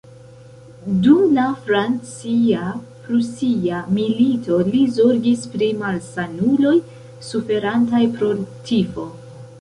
Dum la Francia-Prusia Milito li zorgis pri malsanuloj suferantaj pro tifo.